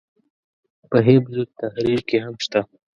په حزب التحریر کې هم شته.